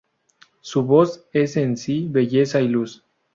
Su voz es en sí belleza y luz".